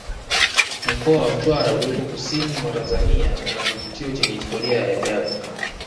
mkoa wa mtwara ulioko kusini mwa tanzania una kivutio chenye historia ya ajabu